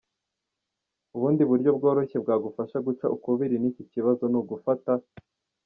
Ubundi buryo bworoshye bwagufasha guca ukubiri n’iki kibazo ni ugufata:.